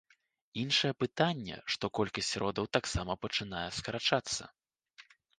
Іншае пытанне, што колькасць родаў таксама пачынае скарачацца.